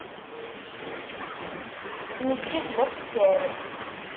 Neggez d akessar.